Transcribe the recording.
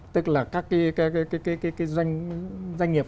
tức là các doanh nghiệp